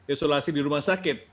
isolasi di rumah sakit